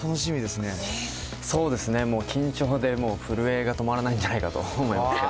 そうですね、もう緊張でもう震えが止まらないんじゃないかと思います。